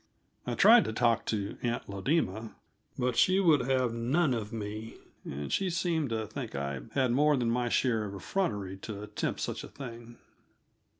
I tried to talk to "Aunt Lodema," but she would have none of me, and she seemed to think I had more than my share of effrontery to attempt such a thing.